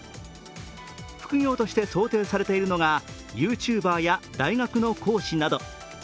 副業として想定されているのがＹｏｕＴｕｂｅｒや大学の講師など。